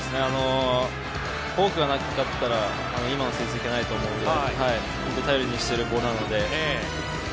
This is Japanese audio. フォークがなかったら今の成績はないと思うので頼りにしているボールなので。